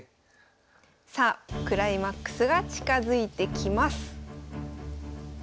さあクライマックスが近づいてきます。